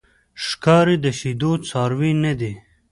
ښکاري د شیدو څاروی نه دی.